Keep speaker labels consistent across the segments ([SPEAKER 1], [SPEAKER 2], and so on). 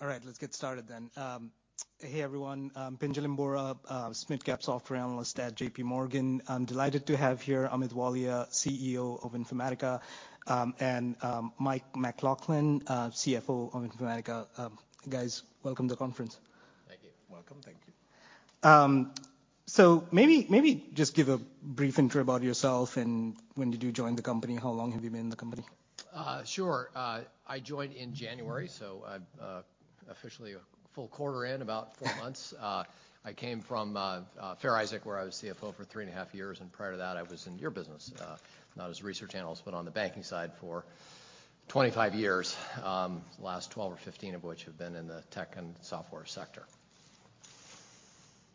[SPEAKER 1] Let's get started. Hey, everyone, Pinjalim Bora, SMID Cap Software analyst at J.P. Morgan. I'm delighted to have here Amit Walia, CEO of Informatica, and Mike McLaughlin, CFO of Informatica. Guys, welcome to the conference.
[SPEAKER 2] Thank you.
[SPEAKER 3] Welcome, thank you.
[SPEAKER 1] Maybe just give a brief intro about yourself, and when did you join the company? How long have you been in the company?
[SPEAKER 3] Sure. I joined in January, so I'm officially a full quarter in, about 4 months. I came from Fair Isaac, where I was CFO for three and a half years. Prior to that, I was in your business, not as a research analyst, but on the banking side for 25 years. Last 12 or 15 of which have been in the tech and software sector.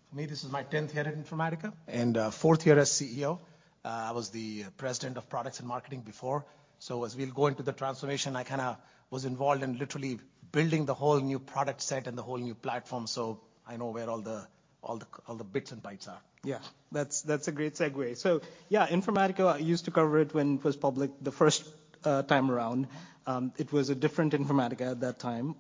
[SPEAKER 2] For me, this is my 10th year at Informatica and fourth year as CEO. I was the president of products and marketing before. As we'll go into the transformation, I kind of was involved in literally building the whole new product set and the whole new platform, so I know where all the bits and bytes are.
[SPEAKER 1] Yeah, that's a great segue. Yeah, Informatica, I used to cover it when it was public the first time around. It was a different Informatica at that time.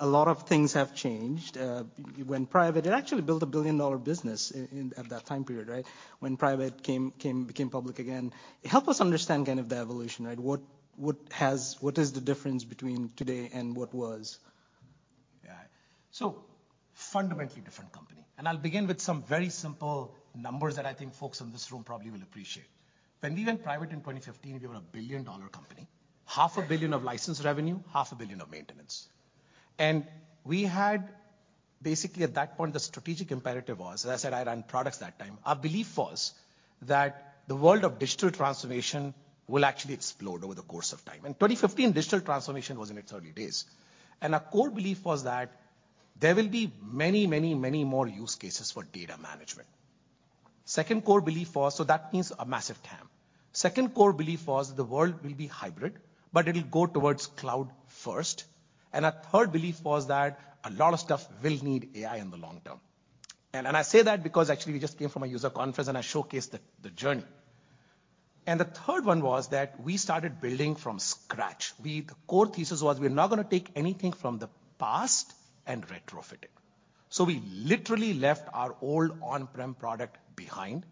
[SPEAKER 1] A lot of things have changed. It went private. It actually built a billion-dollar business at that time period, right? When private became public again. Help us understand kind of the evolution, right? What is the difference between today and what was?
[SPEAKER 2] Yeah. Fundamentally different company, and I'll begin with some very simple numbers that I think folks in this room probably will appreciate. When we went private in 2015, we were a billion-dollar company. Half a billion of licensed revenue, half a billion of maintenance. We had basically, at that point, the strategic imperative was, as I said, I ran products that time. Our belief was that the world of digital transformation will actually explode over the course of time. In 2015, digital transformation was in its early days, and our core belief was that there will be many, many, many more use cases for data management. Second core belief was, so that means a massive TAM. Second core belief was the world will be hybrid, but it'll go towards cloud first. Our 3rd belief was that a lot of stuff will need AI in the long term. I say that because actually we just came from a user conference, and I showcased the journey. The 3rd one was that we started building from scratch. The core thesis was we're not going to take anything from the past and retrofit it. We literally left our old on-prem product behind,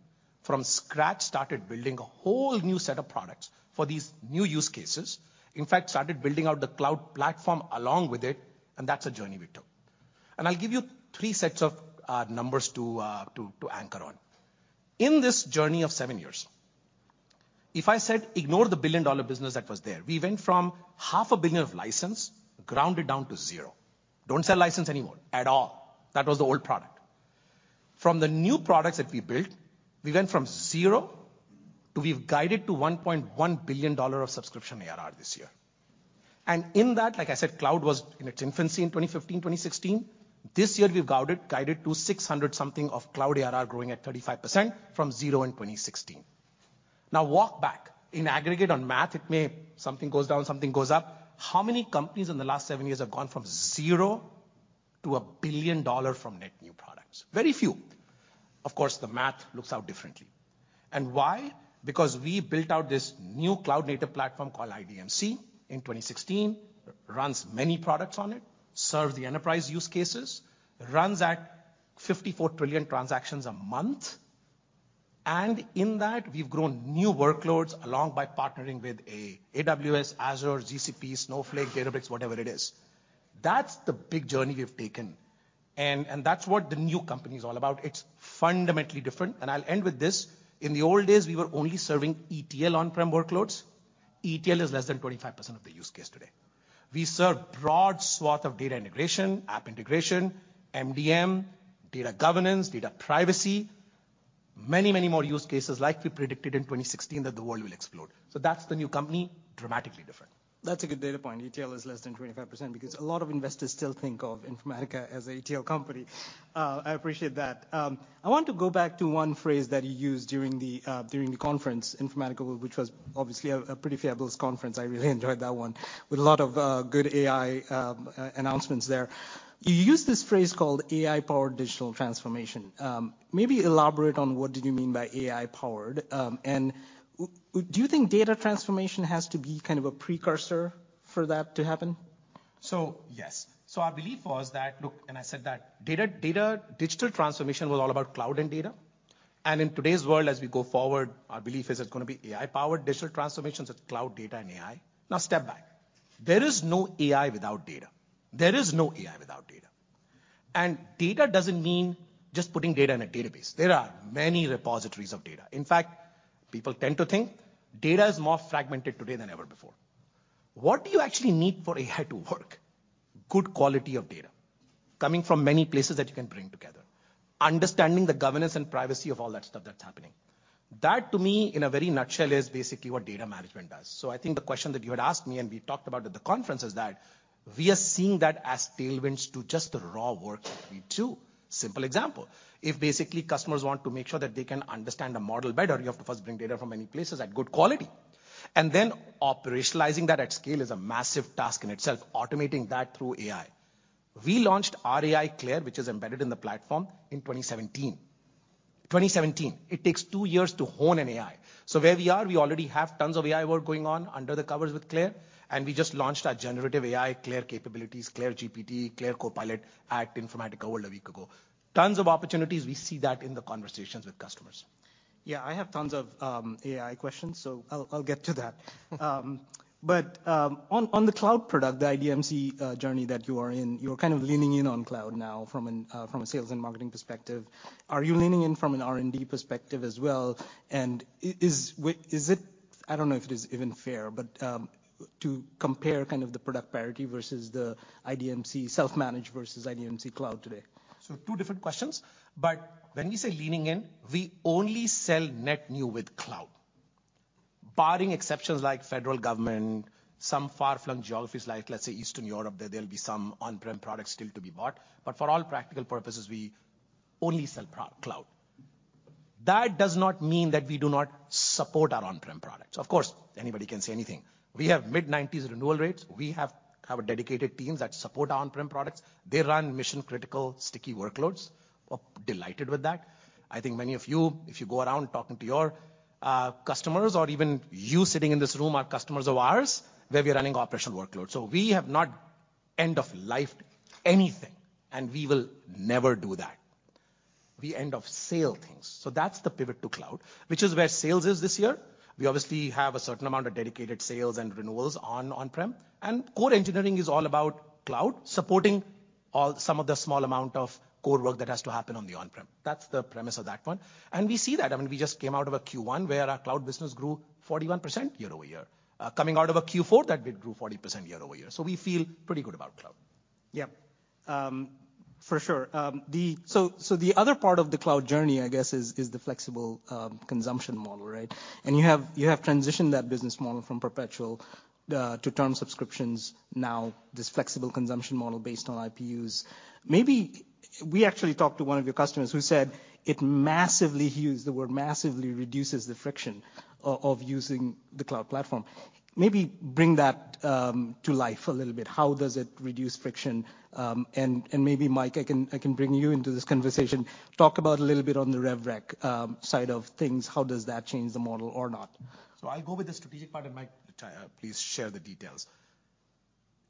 [SPEAKER 2] from scratch, started building a whole new set of products for these new use cases. In fact, started building out the cloud platform along with it, and that's a journey we took. I'll give you 3 sets of numbers to anchor on. In this journey of 7 years, if I said ignore the billion-dollar business that was there, we went from half a billion of license grounded down to 0. Don't sell license anymore at all. That was the old product. From the new products that we built, we went from zero to, we've guided to $1.1 billion of subscription ARR this year. In that, like I said, cloud was in its infancy in 2015, 2016. This year, we've guided to 600 something of cloud ARR growing at 35% from zero in 2016. Now walk back. In aggregate on math, it may something goes down, something goes up. How many companies in the last 7 years have gone from zero to $1 billion from net new products? Very few. Of course, the math looks out differently. Why? Because we built out this new cloud data platform called IDMC in 2016. Runs many products on it, serves the enterprise use cases, runs at 54 trillion transactions a month. In that, we've grown new workloads along by partnering with a AWS, Azure, GCP, Snowflake, Databricks, whatever it is. That's the big journey we've taken. That's what the new company is all about. It's fundamentally different. I'll end with this. In the old days, we were only serving ETL on-prem workloads. ETL is less than 25% of the use case today. We serve broad swath of data integration, app integration, MDM, data governance, data privacy, many, many more use cases like we predicted in 2016 that the world will explode. That's the new company, dramatically different.
[SPEAKER 1] That's a good data point. ETL is less than 25% because a lot of investors still think of Informatica as a ETL company. I appreciate that. I want to go back to one phrase that you used during the conference, Informatica World, which was obviously a pretty fabulous conference. I really enjoyed that one. With a lot of good AI announcements there. You used this phrase called AI-powered digital transformation. Maybe elaborate on what did you mean by AI-powered, and do you think data transformation has to be kind of a precursor for that to happen?
[SPEAKER 2] Yes. Our belief was that, look, and I said that data, digital transformation was all about cloud and data. In today's world as we go forward, our belief is it's going to be AI-powered digital transformations. It's cloud data and AI. Step back. There is no AI without data. There is no AI without data. Data doesn't mean just putting data in a database. There are many repositories of data. In fact, people tend to think data is more fragmented today than ever before. What do you actually need for AI to work? Good quality of data coming from many places that you can bring together. Understanding the governance and privacy of all that stuff that's happening. That, to me, in a very nutshell, is basically what data management does. I think the question that you had asked me, and we talked about at the conference, is that we are seeing that as tailwinds to just the raw work that we do. Simple example, if basically customers want to make sure that they can understand a model better, you have to first bring data from many places at good quality. Then operationalizing that at scale is a massive task in itself, automating that through AI. We launched our AI, CLAIRE, which is embedded in the platform, in 2017. It takes 2 years to hone an AI. Where we are, we already have tons of AI work going on under the covers with CLAIRE, and we just launched our generative AI CLAIRE capabilities, CLAIRE GPT, CLAIRE Copilot at Informatica World a week ago. Tons of opportunities. We see that in the conversations with customers.
[SPEAKER 1] I have tons of AI questions, so I'll get to that. On the cloud product, the IDMC journey that you are in, you're kind of leaning in on cloud now from a sales and marketing perspective. Are you leaning in from an R&D perspective as well? Is it... I don't know if it is even fair, but to compare kind of the product parity versus the IDMC self-managed versus IDMC cloud today.
[SPEAKER 2] Two different questions, but when we say leaning in, we only sell net new with cloud. Barring exceptions like federal government, some far-flung geographies, like, let's say, Eastern Europe, there'll be some on-prem products still to be bought, but for all practical purposes, we only sell pro-cloud. That does not mean that we do not support our on-prem products. Of course, anybody can say anything. We have mid-90s renewal rates. We have dedicated teams that support our on-prem products. They run mission-critical, sticky workloads. We're delighted with that. I think many of you, if you go around talking to your customers or even you sitting in this room are customers of ours, where we are running operational workloads. We have not end-of-lifed anything, and we will never do that. We end of sale things. That's the pivot to cloud, which is where sales is this year. We obviously have a certain amount of dedicated sales and renewals on on-prem, and core engineering is all about cloud, supporting some of the small amount of core work that has to happen on the on-prem. That's the premise of that one. We see that. I mean, we just came out of a Q1 where our cloud business grew 41% year-over-year. Coming out of a Q4, that did grew 40% year-over-year. We feel pretty good about cloud.
[SPEAKER 1] Yeah. For sure. The other part of the cloud journey, I guess, is the flexible consumption model, right? You have transitioned that business model from perpetual to term subscriptions, now this flexible consumption model based on IPUs. Maybe. We actually talked to one of your customers who said it massively hews, the word massively reduces the friction of using the cloud platform. Maybe bring that to life a little bit. How does it reduce friction? Maybe Mike, I can bring you into this conversation. Talk about a little bit on the rev rec side of things. How does that change the model or not?
[SPEAKER 2] I'll go with the strategic part, and Mike, please share the details.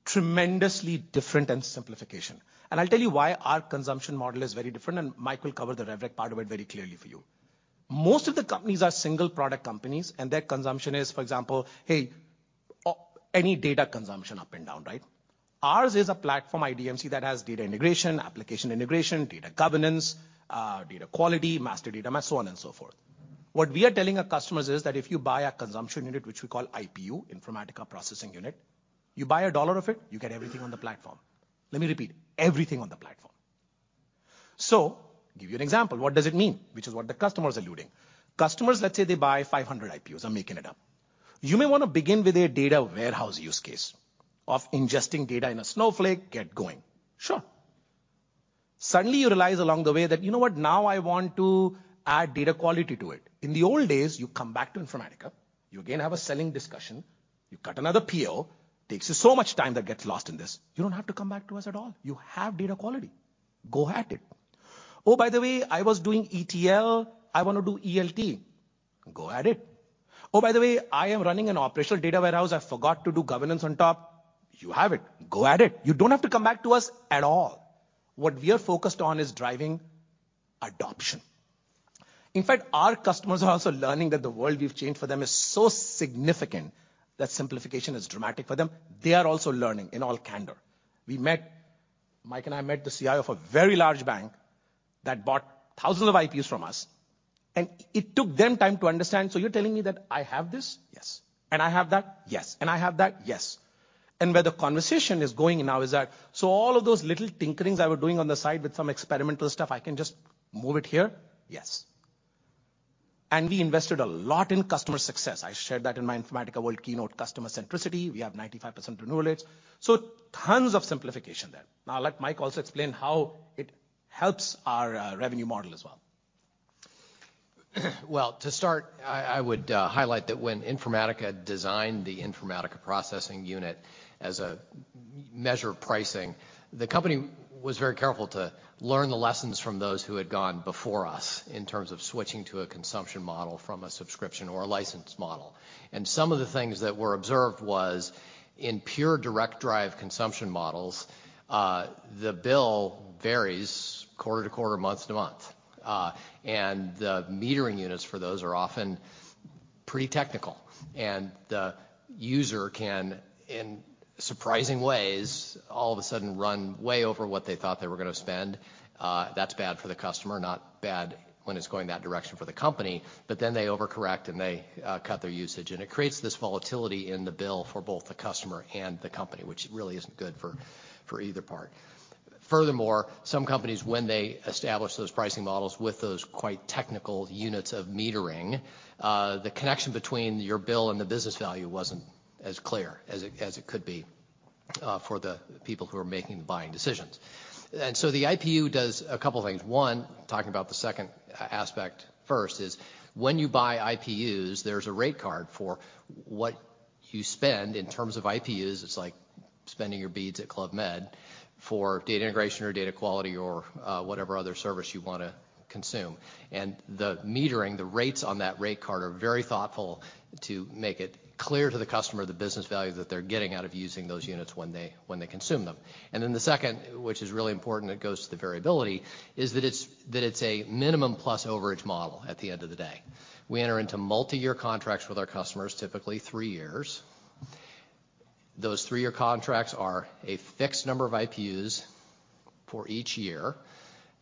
[SPEAKER 2] Tremendously different and simplification. I'll tell you why our consumption model is very different, and Mike will cover the rev rec part of it very clearly for you. Most of the companies are single product companies, and their consumption is, for example, hey, any data consumption up and down, right? Ours is a platform IDMC that has data integration, application integration, data governance, data quality, master data, and so on and so forth. What we are telling our customers is that if you buy our consumption unit, which we call IPU, Informatica Processing Unit, you buy $1 of it, you get everything on the platform. Let me repeat, everything on the platform. Give you an example. What does it mean? Which is what the customer's alluding. Customers, let's say they buy 500 IPUs. I'm making it up. You may wanna begin with a data warehouse use case of ingesting data in a Snowflake, get going. Sure. Suddenly you realize along the way that, you know what, now I want to add data quality to it. In the old days, you come back to Informatica, you again have a selling discussion, you cut another PO, takes you so much time that gets lost in this. You don't have to come back to us at all. You have data quality. Go at it. Oh, by the way, I was doing ETL. I wanna do ELT. Go at it. Oh, by the way, I am running an operational data warehouse. I forgot to do governance on top. You have it. Go at it. You don't have to come back to us at all. What we are focused on is driving adoption. In fact, our customers are also learning that the world we've changed for them is so significant that simplification is dramatic for them. They are also learning, in all candor. Mike and I met the CIO of a very large bank that bought thousands of IPUs from us, and it took them time to understand. "So you're telling me that I have this?" "Yes." "And I have that?" "Yes." "And I have that?" "Yes." Where the conversation is going now is that, "So all of those little tinkerings I was doing on the side with some experimental stuff, I can just move it here?" "Yes." We invested a lot in customer success. I shared that in my Informatica World keynote, customer centricity. We have 95% renewal rates, tons of simplification there. Now I'll let Mike also explain how it helps our revenue model as well.
[SPEAKER 3] Well, to start, I would highlight that when Informatica designed the Informatica Processing Unit as a measure of pricing, the company was very careful to learn the lessons from those who had gone before us in terms of switching to a consumption model from a subscription or a license model. Some of the things that were observed was, in pure direct drive consumption models, the bill varies quarter to quarter, month to month. And the metering units for those are often pretty technical, and the user can, in surprising ways, all of a sudden run way over what they thought they were gonna spend. That's bad for the customer. Not bad when it's going that direction for the company, but then they overcorrect, and they cut their usage. It creates this volatility in the bill for both the customer and the company, which really isn't good for either part. Furthermore, some companies, when they establish those pricing models with those quite technical units of metering, the connection between your bill and the business value wasn't as clear as it could be, for the people who are making the buying decisions. The IPU does a couple things. One, talking about the second aspect first, is when you buy IPUs, there's a rate card for what you spend in terms of IPUs. It's like
[SPEAKER 2] Spending your beads at Club Med for data integration or data quality or, whatever other service you want to consume. The metering, the rates on that rate card are very thoughtful to make it clear to the customer the business value that they're getting out of using those units when they consume them. The second, which is really important, it goes to the variability, is that it's a minimum plus overage model at the end of the day. We enter into multiyear contracts with our customers, typically three years. Those three-year contracts are a fixed number of IPUs for each year,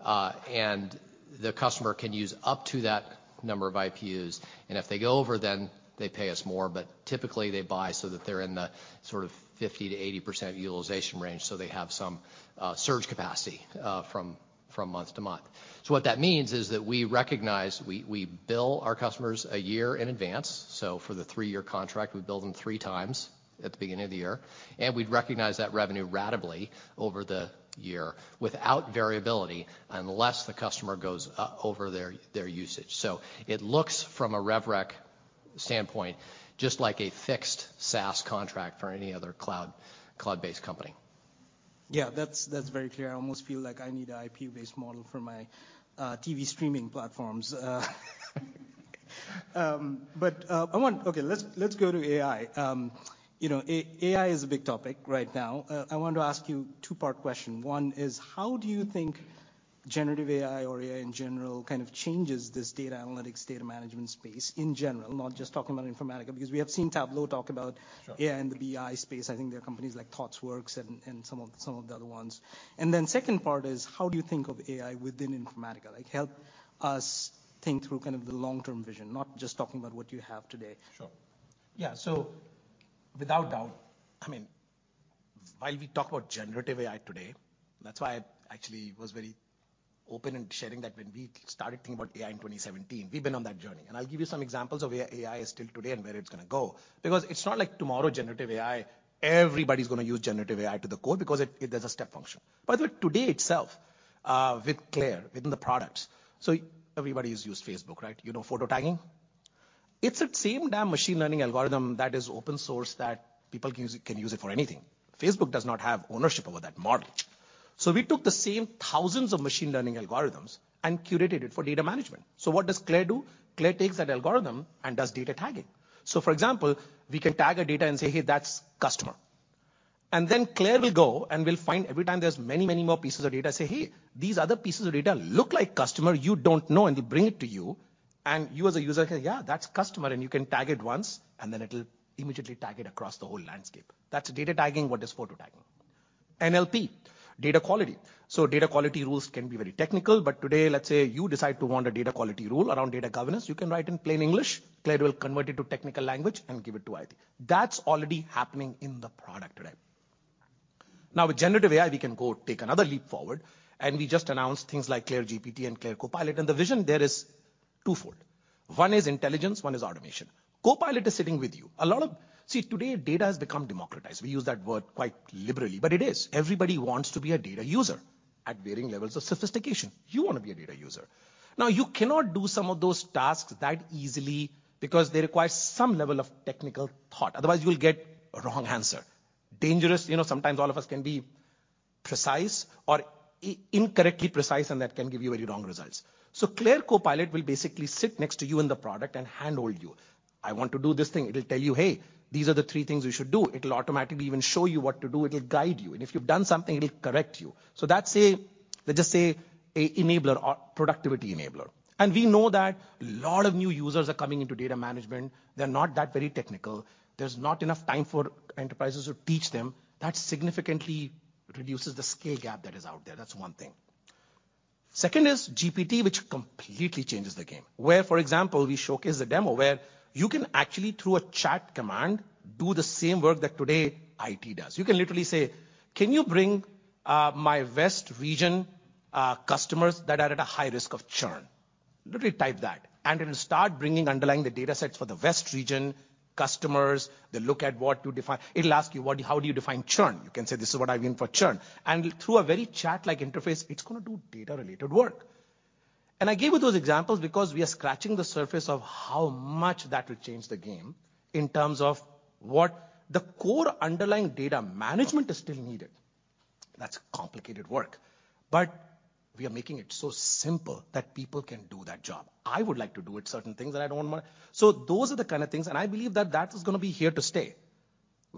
[SPEAKER 2] and the customer can use up to that number of IPUs, and if they go over, then they pay us more. Typically, they buy so that they're in the sort of 50%-80% utilization range, so they have some surge capacity from month to month. What that means is that we bill our customers a year in advance, so for the 3-year contract, we bill them 3 times at the beginning of the year, and we'd recognize that revenue ratably over the year without variability, unless the customer goes over their usage. It looks from a rev rec standpoint, just like a fixed SaaS contract for any other cloud-based company.
[SPEAKER 1] Yeah, that's very clear. I almost feel like I need an IPU-based model for my TV streaming platforms. Okay, let's go to AI. You know, AI is a big topic right now. I want to ask you two-part question. One is: how do you think generative AI or AI in general kind of changes this data analytics, data management space in general, not just talking about Informatica? We have seen Tableau talk about.
[SPEAKER 2] Sure.
[SPEAKER 1] AI in the BI space. I think there are companies like Thoughtworks and some of the other ones. Then second part is: how do you think of AI within Informatica? Like, help us think through kind of the long-term vision, not just talking about what you have today.
[SPEAKER 2] Sure. Yeah. Without doubt, I mean, while we talk about generative AI today, that's why I actually was very open in sharing that when we started thinking about AI in 2017. We've been on that journey, and I'll give you some examples of AI still today and where it's going to go. It's not like tomorrow, generative AI, everybody's going to use generative AI to the core because it, there's a step function. By the way, today itself, with CLAIRE, within the product. Everybody has used Facebook, right? You know photo tagging? It's the same damn machine learning algorithm that is open source that people can use it for anything. Facebook does not have ownership over that model. We took the same thousands of machine learning algorithms and curated it for data management. What does CLAIRE do? CLAIRE takes that algorithm and does data tagging. For example, we can tag a data and say, "Hey, that's customer." Then CLAIRE will go, and will find every time there's many, many more pieces of data, say, "Hey, these other pieces of data look like customer. You don't know." It'll bring it to you, and you as a user say, "Yeah, that's customer." You can tag it once, and then it'll immediately tag it across the whole landscape. That's data tagging what is photo tagging. NLP, data quality. Data quality rules can be very technical, but today, let's say you decide to want a data quality rule around data governance. You can write in plain English. CLAIRE will convert it to technical language and give it to IT. That's already happening in the product today. Now with generative AI, we can go take another leap forward, and we just announced things like CLAIRE GPT and CLAIRE Copilot, and the vision there is twofold: One is intelligence, one is automation. Copilot is sitting with you. See, today, data has become democratized. We use that word quite liberally, but it is. Everybody wants to be a data user at varying levels of sophistication. You want to be a data user. Now you cannot do some of those tasks that easily because they require some level of technical thought, otherwise you'll get a wrong answer. Dangerous. You know, sometimes all of us can be precise or incorrectly precise, and that can give you very wrong results. CLAIRE Copilot will basically sit next to you in the product and handhold you. I want to do this thing. It'll tell you, "Hey, these are the three things you should do." It'll automatically even show you what to do. It'll guide you. If you've done something, it'll correct you. That's a, let's just say, a enabler or productivity enabler. We know that a lot of new users are coming into data management. They're not that very technical. There's not enough time for enterprises to teach them. That significantly reduces the skill gap that is out there. That's one thing. Second is GPT, which completely changes the game. Where, for example, we showcase a demo where you can actually, through a chat command, do the same work that today IT does. You can literally say, "Can you bring my west region customers that are at a high risk of churn?" Literally type that, and it'll start bringing underlying the data sets for the west region customers. They'll look at what you define. It'll ask you how do you define churn. You can say, "This is what I mean for churn." Through a very chat-like interface, it's gonna do data-related work. I gave you those examples because we are scratching the surface of how much that will change the game in terms of what the core underlying data management is still needed. That's complicated work, but we are making it so simple that people can do that job. I would like to do it, certain things that I don't wanna... Those are the kind of things, and I believe that that is gonna be here to stay.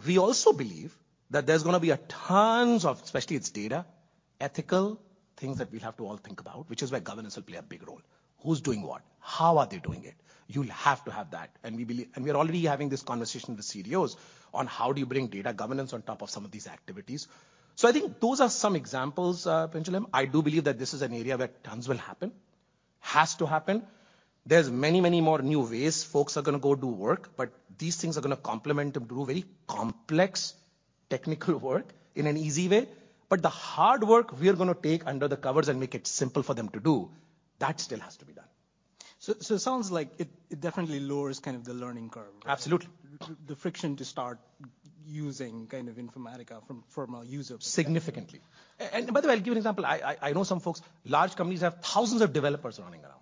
[SPEAKER 2] We also believe that there's gonna be a tons of, especially it's data, ethical things that we'll have to all think about, which is where governance will play a big role. Who's doing what? How are they doing it? You'll have to have that. We're already having this conversation with CDOs on how do you bring data governance on top of some of these activities. I think those are some examples, Pinjalim Bora. I do believe that this is an area where tons will happen, has to happen. There's many more new ways folks are gonna go do work, but these things are gonna complement them, do very complex technical work in an easy way. The hard work we are going to take under the covers and make it simple for them to do. That still has to be done.
[SPEAKER 1] It sounds like it definitely lowers kind of the learning curve.
[SPEAKER 2] Absolutely.
[SPEAKER 1] the friction to start using kind of Informatica from a user perspective.
[SPEAKER 2] Significantly. By the way, I'll give you an example. I know some folks, large companies have thousands of developers running around.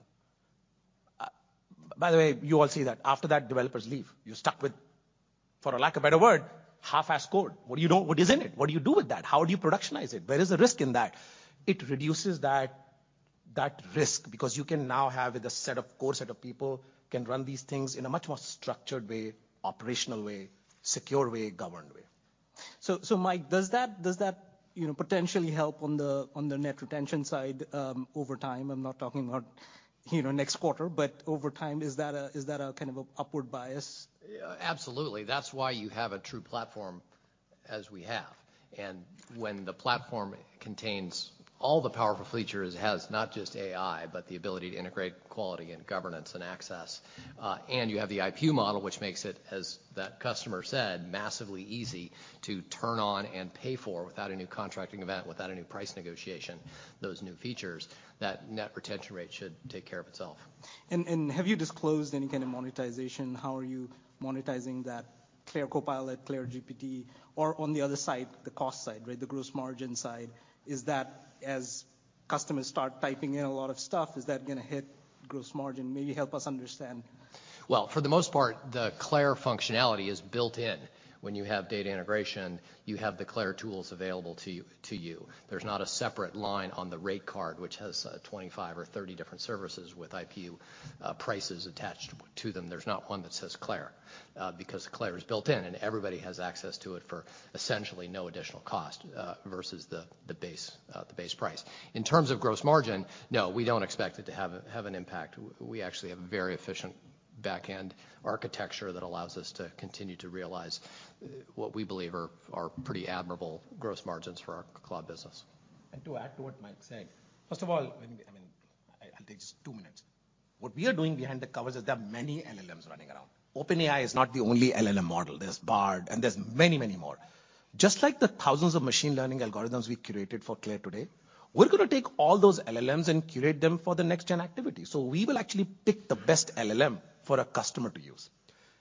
[SPEAKER 2] By the way, you all see that after that, developers leave. You're stuck with, for lack of a better word, half-assed code. What do you do with that? How do you productionize it? Where is the risk in that? It reduces that risk because you can now have it, a core set of people can run these things in a much more structured way, operational way, secure way, governed way. Mike, does that, you know, potentially help on the net retention side over time? I'm not talking about, you know, next quarter, but over time, is that a kind of a upward bias?
[SPEAKER 3] Yeah, absolutely. That's why you have a true platform as we have. When the platform contains all the powerful features, it has not just AI, but the ability to integrate quality and governance and access. You have the IPU model, which makes it, as that customer said, massively easy to turn on and pay for without a new contracting event, without a new price negotiation, those new features, that net retention rate should take care of itself.
[SPEAKER 2] Have you disclosed any kind of monetization? How are you monetizing that CLAIRE Copilot, CLAIRE GPT? On the other side, the cost side, right, the gross margin side, is that as customers start typing in a lot of stuff, is that gonna hit gross margin? Maybe help us understand.
[SPEAKER 3] Well, for the most part, the CLAIRE functionality is built in. When you have data integration, you have the CLAIRE tools available to you. There's not a separate line on the rate card, which has 25 or 30 different services with IPU prices attached to them. There's not one that says CLAIRE, because CLAIRE is built in, and everybody has access to it for essentially no additional cost versus the base, the base price. In terms of gross margin, no, we don't expect it to have an impact. We actually have a very efficient backend architecture that allows us to continue to realize what we believe are pretty admirable gross margins for our cloud business.
[SPEAKER 2] To add to what Mike said, first of all, I mean, I'll take just two minutes. What we are doing behind the covers is there are many LLMs running around. OpenAI is not the only LLM model. There's Bard, and there's many, many more. Just like the thousands of machine learning algorithms we curated for CLAIRE today, we're gonna take all those LLMs and curate them for the next-gen activity. We will actually pick the best LLM for a customer to use.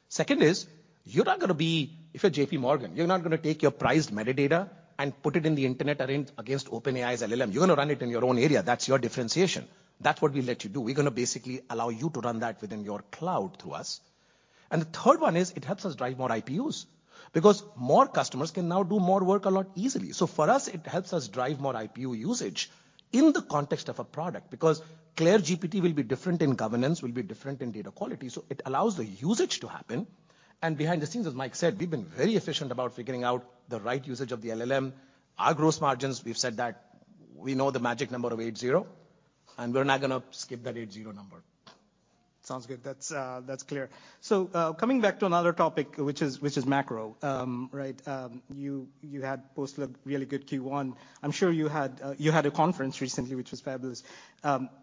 [SPEAKER 2] Second is, if you're J.P. Morgan, you're not gonna take your prized metadata and put it in the internet against OpenAI's LLM. You're gonna run it in your own area. That's your differentiation. That's what we let you do. We're gonna basically allow you to run that within your cloud through us. The 3rd one is, it helps us drive more IPUs because more customers can now do more work a lot easily. For us, it helps us drive more IPU usage in the context of a product, because CLAIRE GPT will be different in governance, will be different in data quality, so it allows the usage to happen. Behind the scenes, as Mike said, we've been very efficient about figuring out the right usage of the LLM. Our gross margins, we've said that we know the magic number of 80, and we're not gonna skip that 80 number. Sounds good. That's clear. Coming back to another topic, which is macro, right? You had posted a really good Q1. I'm sure you had a conference recently, which was fabulous.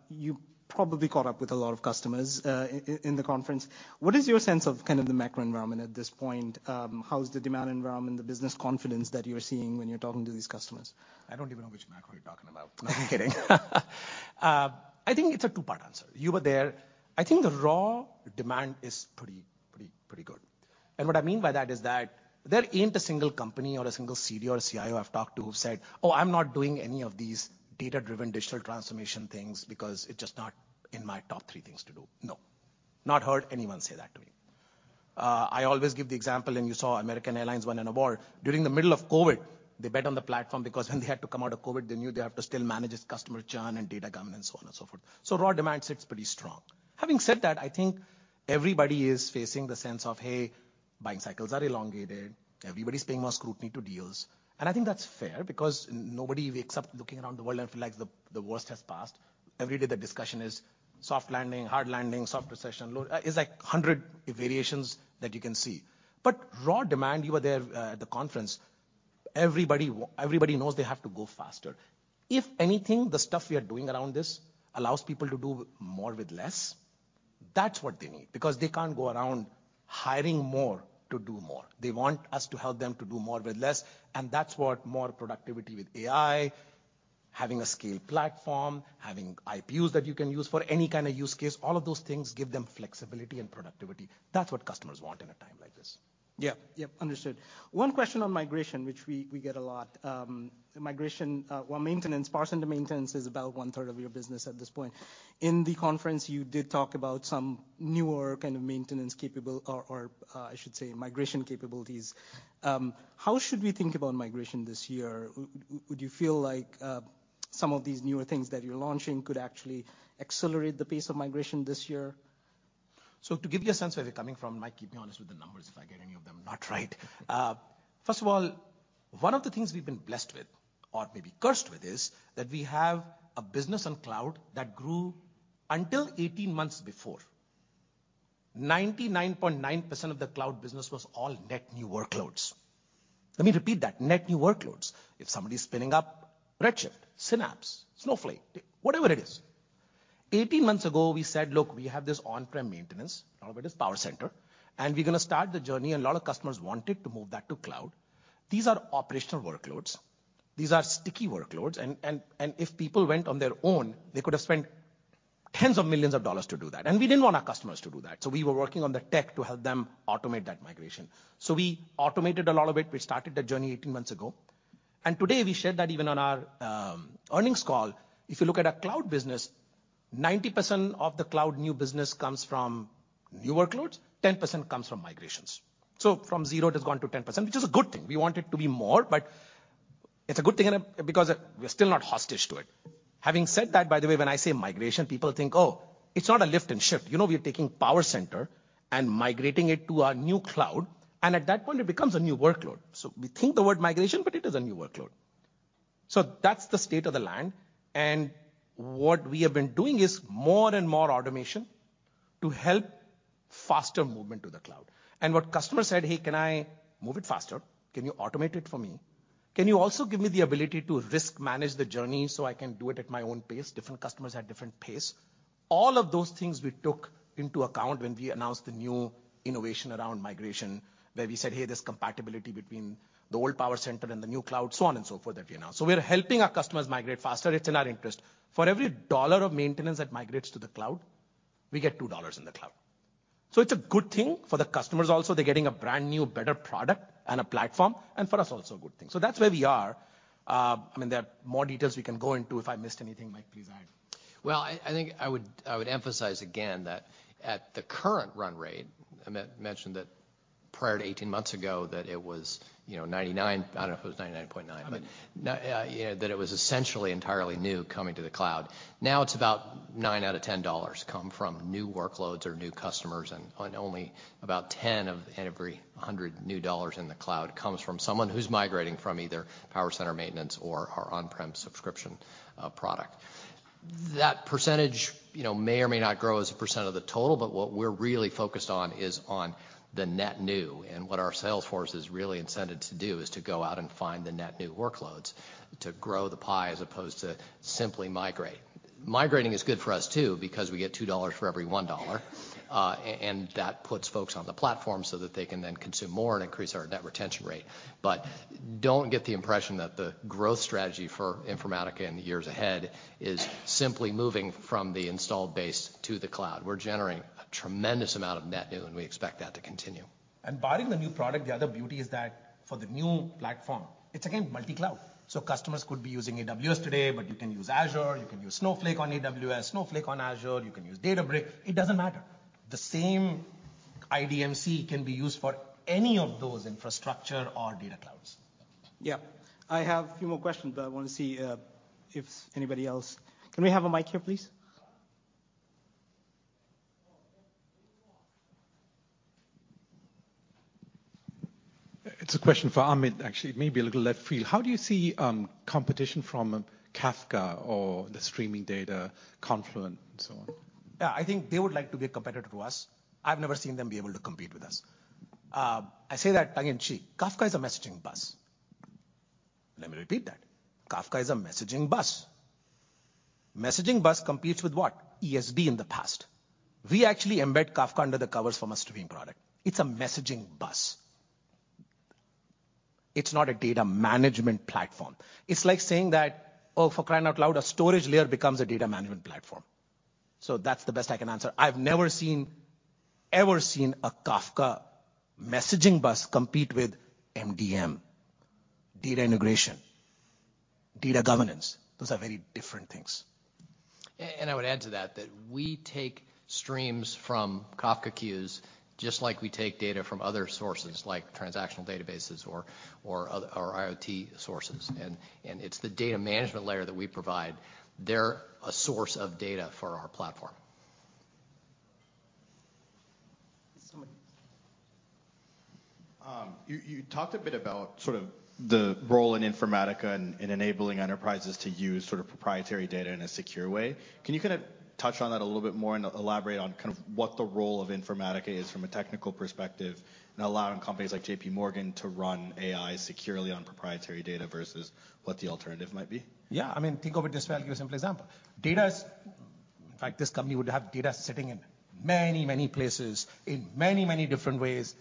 [SPEAKER 2] You probably caught up with a lot of customers in the conference. What is your sense of kind of the macro environment at this point? How's the demand environment, the business confidence that you're seeing when you're talking to these customers? I don't even know which macro you're talking about. No, I'm kidding. I think it's a two-part answer. You were there. I think the raw demand is pretty good. What I mean by that is that there ain't a single company or a single CDO or CIO I've talked to who've said, "Oh, I'm not doing any of these data-driven digital transformation things because it's just not in my top three things to do." No. Not heard anyone say that to me. I always give the example, you saw American Airlines win an award. During the middle of COVID, they bet on the platform because when they had to come out of COVID, they knew they have to still manage its customer churn and data governance, so on and so forth. Raw demand sits pretty strong. Having said that, I think everybody is facing the sense of, hey, buying cycles are elongated. Everybody's paying more scrutiny to deals. I think that's fair because nobody, we accept looking around the world and feel like the worst has passed. Every day the discussion is soft landing, hard landing, soft recession. It's like 100 variations that you can see. Raw demand, you were there at the conference. Everybody knows they have to go faster. If anything, the stuff we are doing around this allows people to do more with less. That's what they need, because they can't go around hiring more to do more. They want us to help them to do more with less, and that's what more productivity with AI, having a scaled platform, having IPUs that you can use for any kind of use case, all of those things give them flexibility and productivity. That's what customers want in a time like this. Yeah. Yep, understood. One question on migration, which we get a lot. well, maintenance, parse into maintenance is about 1/3 of your business at this point. In the conference, you did talk about some newer kind of maintenance capable or, I should say, migration capabilities. How should we think about migration this year? Would you feel like some of these newer things that you're launching could actually accelerate the pace of migration this year? To give you a sense of where we're coming from, Mike, keep me honest with the numbers if I get any of them not right. First of all, one of the things we've been blessed with, or maybe cursed with, is that we have a business on cloud that grew until 18 months before. 99.9% of the cloud business was all net new workloads. Let me repeat that, net new workloads. If somebody's spinning up Redshift, Synapse, Snowflake, whatever it is. 18 months ago, we said, "Look, we have this on-prem maintenance, a lot of it is PowerCenter, and we're gonna start the journey." A lot of customers wanted to move that to cloud. These are operational workloads. These are sticky workloads. If people went on their own, they could have spent tens of millions of dollars to do that. We didn't want our customers to do that. We were working on the tech to help them automate that migration. We automated a lot of it. We started that journey 18 months ago. Today, we shared that even on our earnings call, if you look at our cloud business, 90% of the cloud new business comes from new workloads, 10% comes from migrations. From 0 it has gone to 10%, which is a good thing. We want it to be more, but it's a good thing and because we're still not hostage to it. Having said that, by the way, when I say migration, people think, oh, it's not a lift and shift. You know, we are taking PowerCenter and migrating it to our new cloud, and at that point it becomes a new workload. We think the word migration, but it is a new workload. What we have been doing is more and more automation to help faster movement to the cloud. What customers said, "Hey, can I move it faster? Can you automate it for me? Can you also give me the ability to risk manage the journey so I can do it at my own pace?" Different customers at different pace. All of those things we took into account when we announced the new innovation around migration, where we said, hey, there's compatibility between the old PowerCenter and the new cloud, so on and so forth, that we announced. We're helping our customers migrate faster. It's in our interest. For every dollar of maintenance that migrates to the cloud, we get $2 in the cloud. It's a good thing for the customers also. They're getting a brand-new better product and a platform, and for us also a good thing. That's where we are. I mean, there are more details we can go into. If I missed anything, Mike, please add.
[SPEAKER 3] Well, I think I would, I would emphasize again that at the current run rate, Amit mentioned that prior to 18 months ago that it was, you know, 99... I don't know if it was 99.9.
[SPEAKER 2] Mm-hmm.
[SPEAKER 3] Yeah, that it was essentially entirely new coming to the cloud. It's about 9 out of 10 dollars come from new workloads or new customers, and only about 10 of every 100 new dollars in the cloud comes from someone who's migrating from either PowerCenter maintenance or our on-prem subscription product. That percentage, you know, may or may not grow as a % of the total, but what we're really focused on is on the net new, and what our sales force is really incented to do is to go out and find the net new workloads to grow the pie as opposed to simply migrate. Migrating is good for us too, because we get $2 for every $1, and that puts folks on the platform so that they can then consume more and increase our net retention rate. Don't get the impression that the growth strategy for Informatica in the years ahead is simply moving from the installed base to the cloud. We're generating a tremendous amount of net new, and we expect that to continue.
[SPEAKER 2] Barring the new product, the other beauty is that for the new platform, it's again multi-cloud. Customers could be using AWS today, but you can use Azure, you can use Snowflake on AWS, Snowflake on Azure, you can use Databricks. It doesn't matter. The same IDMC can be used for any of those infrastructure or data clouds.
[SPEAKER 1] Yeah. I have a few more questions, but I want to see if anybody else... Can we have a mic here, please?
[SPEAKER 4] It's a question for Amit, actually. It may be a little left field. How do you see competition from Kafka or the streaming data, Confluent and so on?
[SPEAKER 2] Yeah, I think they would like to be a competitor to us. I say that tongue in cheek. Kafka is a messaging bus. Let me repeat that. Kafka is a messaging bus. Messaging bus competes with what? ESB in the past. We actually embed Kafka under the covers from a streaming product. It's a messaging bus. It's not a data management platform. It's like saying that, oh, for crying out loud, a storage layer becomes a data management platform. That's the best I can answer. I've never seen, ever seen a Kafka messaging bus compete with MDM, data integration, data governance. Those are very different things.
[SPEAKER 3] I would add to that we take streams from Kafka queues just like we take data from other sources like transactional databases or IoT sources. It's the data management layer that we provide. They're a source of data for our platform.
[SPEAKER 1] There's someone.
[SPEAKER 4] You talked a bit about sort of the role in Informatica in enabling enterprises to use sort of proprietary data in a secure way. Can you kind of touch on that a little bit more and elaborate on kind of what the role of Informatica is from a technical perspective in allowing companies like JP Morgan to run AI securely on proprietary data versus what the alternative might be?
[SPEAKER 2] Yeah. I mean, think of it this way. I'll give a simple example. Data. In fact, this company would have data sitting in many, many places in many, many different ways.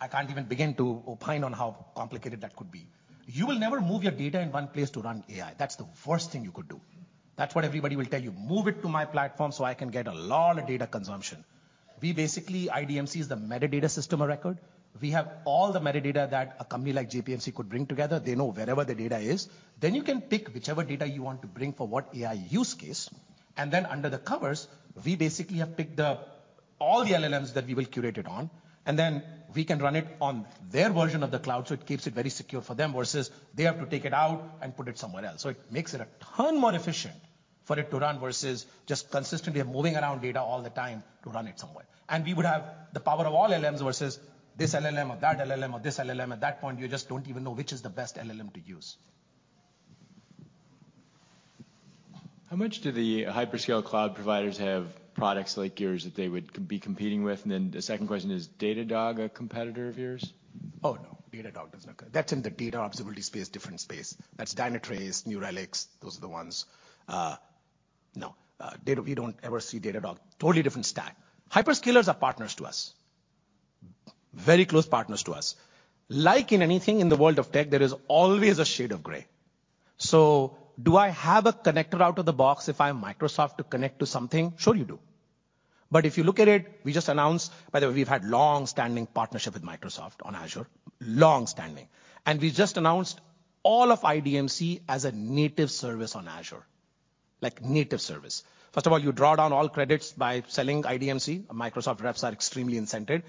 [SPEAKER 2] I can't even begin to opine on how complicated that could be. You will never move your data in one place to run AI. That's the worst thing you could do. That's what everybody will tell you. Move it to my platform, so I can get a lot of data consumption. We basically... IDMC is the metadata system of record. We have all the metadata that a company like JPMC could bring together. They know wherever the data is. You can pick whichever data you want to bring for what AI use case, and then under the covers, we basically have picked up all the LLMs that we will curate it on, and then we can run it on their version of the cloud, so it keeps it very secure for them versus they have to take it out and put it somewhere else. It makes it a ton more efficient for it to run versus just consistently moving around data all the time to run it somewhere. We would have the power of all LLMs versus this LLM or that LLM or this LLM. At that point, you just don't even know which is the best LLM to use.
[SPEAKER 4] How much do the hyperscale cloud providers have products like yours that they would be competing with? The second question, is Datadog a competitor of yours?
[SPEAKER 2] No. Datadog does not count. That's in the data observability space, different space. That's Dynatrace, New Relics. Those are the ones. No. We don't ever see Datadog. Totally different stack. Hyperscalers are partners to us. Very close partners to us. Like in anything in the world of tech, there is always a shade of gray. Do I have a connector out of the box if I'm Microsoft to connect to something? Sure you do. If you look at it, by the way, we've had long-standing partnership with Microsoft on Azure, long-standing. We just announced all of IDMC as a native service on Azure. Like native service. First of all, you draw down all credits by selling IDMC. Microsoft reps are extremely incented.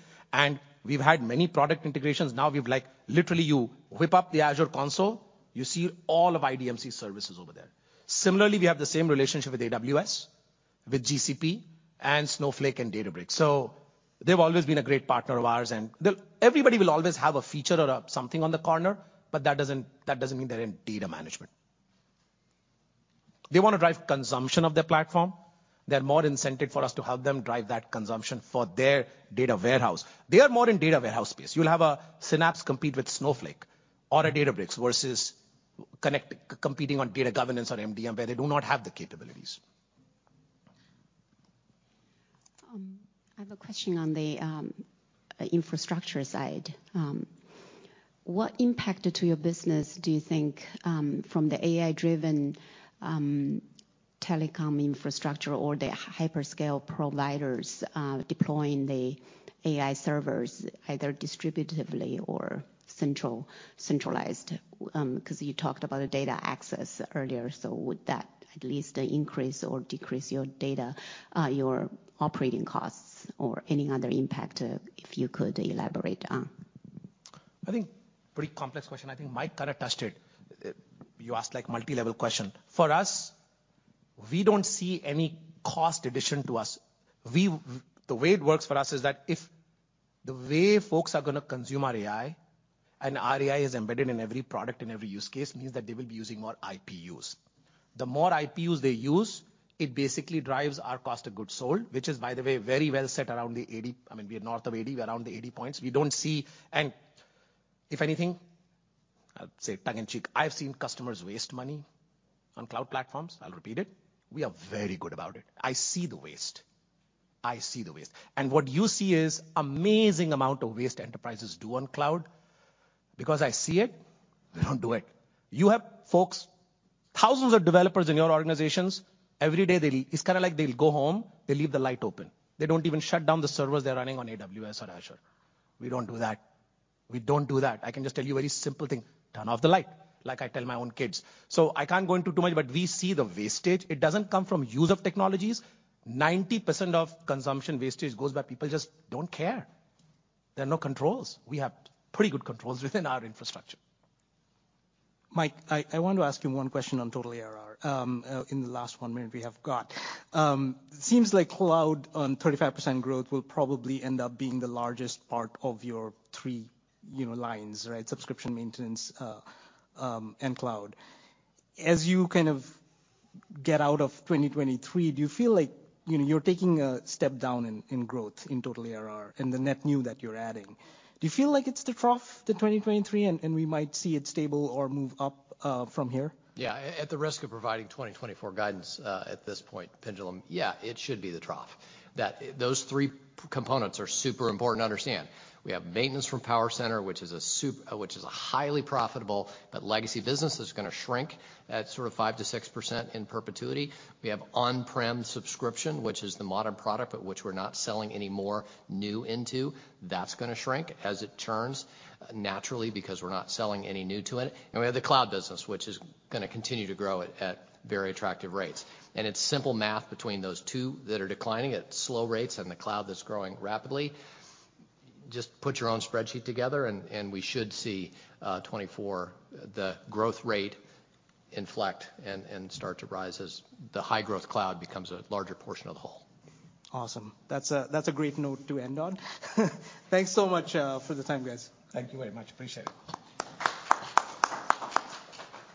[SPEAKER 2] We've had many product integrations. Now we've like, literally you whip up the Azure console, you see all of IDMC services over there. Similarly, we have the same relationship with AWS, with GCP, Snowflake and Databricks. They've always been a great partner of ours. Everybody will always have a feature or something on the corner, but that doesn't mean they're in data management. They wanna drive consumption of their platform. They're more incented for us to help them drive that consumption for their data warehouse. They are more in data warehouse space. You'll have a Synapse compete with Snowflake or a Databricks versus competing on data governance or MDM, where they do not have the capabilities.
[SPEAKER 4] I have a question on the infrastructure side. What impact to your business do you think from the AI-driven telecom infrastructure or the hyperscale providers deploying the AI servers either distributively or centralized? 'Cause you talked about data access earlier, so would that at least increase or decrease your data, your operating costs or any other impact, if you could elaborate on?
[SPEAKER 2] I think pretty complex question. I think Mike kinda touched it. You asked like multi-level question. For us, we don't see any cost addition to us. The way it works for us is that if the way folks are gonna consume our AI, and our AI is embedded in every product and every use case, means that they will be using more IPUs. The more IPUs they use, it basically drives our COGS, which is, by the way, very well set around the 80, I mean, we are north of 80, we are around the 80 points. We don't see... If anything, I'd say tongue in cheek, I've seen customers waste money on cloud platforms. I'll repeat it. We are very good about it. I see the waste. What you see is amazing amount of waste enterprises do on cloud. I see it, we don't do it. You have folks, thousands of developers in your organizations, every day it's kind of like they'll go home, they leave the light open. They don't even shut down the servers they're running on AWS or Azure. We don't do that. We don't do that. I can just tell you a very simple thing, turn off the light, like I tell my own kids. I can't go into too much, but we see the wastage. It doesn't come from use of technologies. 90% of consumption wastage goes by people just don't care. There are no controls. We have pretty good controls within our infrastructure.
[SPEAKER 1] Mike, I want to ask you 1 question on total ARR, in the last 1 minute we have got. Seems like cloud on 35% growth will probably end up being the largest part of your 3, you know, lines, right? Subscription, maintenance, and cloud. As you kind of get out of 2023, do you feel like, you know, you're taking a step down in growth in total ARR and the net new that you're adding? Do you feel like it's the trough, the 2023, and we might see it stable or move up from here?
[SPEAKER 3] Yeah. At the risk of providing 2024 guidance, at this point, Pinjalim Bora, yeah, it should be the trough. Those three components are super important to understand. We have maintenance from PowerCenter, which is a highly profitable but legacy business that's gonna shrink at sort of 5%-6% in perpetuity. We have on-prem subscription, which is the modern product but which we're not selling any more new into. That's gonna shrink as it churns naturally because we're not selling any new to it. We have the cloud business, which is gonna continue to grow at very attractive rates. It's simple math between those two that are declining at slow rates and the cloud that's growing rapidly. Just put your own spreadsheet together and we should see, 2024, the growth rate inflect and start to rise as the high-growth cloud becomes a larger portion of the whole.
[SPEAKER 1] Awesome. That's a great note to end on. Thanks so much for the time, guys.
[SPEAKER 2] Thank you very much. Appreciate it.